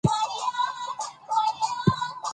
په هغه ګړي یې جنس وو پیژندلی